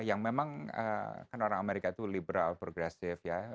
yang memang kan orang amerika itu liberal progresif ya